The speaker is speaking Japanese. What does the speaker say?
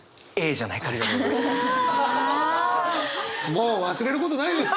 もう忘れることないです。